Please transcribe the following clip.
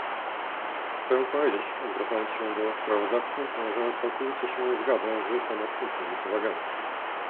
Chciałbym powiedzieć, zwracając się do sprawozdawcy, że całkowicie się zgadzam z pana wstępnymi uwagami